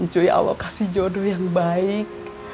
cuy alokasi jodoh yang baik